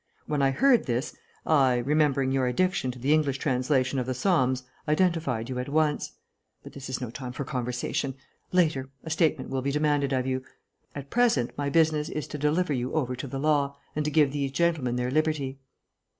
When I heard this, I, remembering your addiction to the English translation of the psalms, identified you at once.... But this is no time for conversation. Later, a statement will be demanded of you. At present my business is to deliver you over to the law, and to give these gentlemen their liberty."